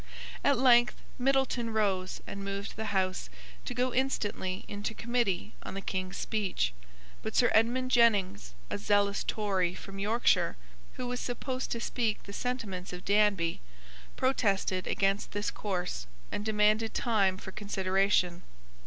At length Middleton rose and moved the House to go instantly into committee on the King's speech: but Sir Edmund Jennings, a zealous Tory from Yorkshire, who was supposed to speak the sentiments of Danby, protested against this course, and demanded time for consideration.